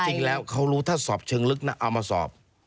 จริงแล้วเขารู้ถ้าสอบเชิงลึกนะเอามาสอบ